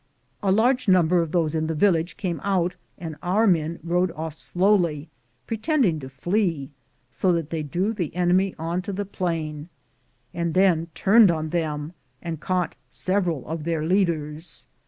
A large number of those in the village came out and our men rode off slowly, pretending to flee, so that they drew the enemy on to the plain, and then turned on them and caught several of their leaders.